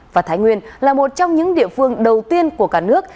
và thái nguyên là một trong những địa phương đầu tiên của cả nước